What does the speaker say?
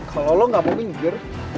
kalau lolo nggak mau minggir